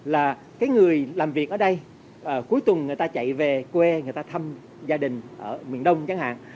là cái người làm việc ở đây cuối tuần người ta chạy về quê người ta thăm gia đình ở miền đông chẳng hạn